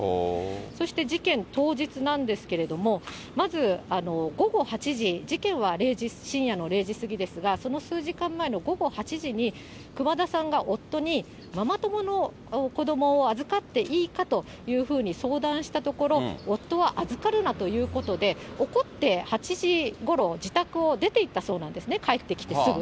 そして事件当日なんですけれども、まず午後８時、事件は０時、深夜の０時過ぎですが、その数時間前の午後８時に、熊田さんが夫に、ママ友の子どもを預かっていいかというふうに相談したところ、夫は預かるなということで、怒って８時ごろ、自宅を出ていったそうなんですね、帰ってきてすぐ。